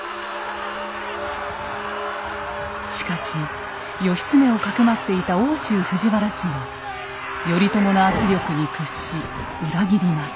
しかし義経をかくまっていた奥州藤原氏が頼朝の圧力に屈し裏切ります。